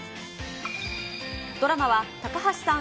ドラマは高橋さん